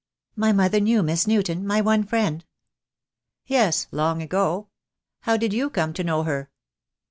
"My mother knew Miss Newton, my one friend?" "Yes, long ago. How did you come to know her?"